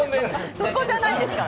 そこじゃないですから。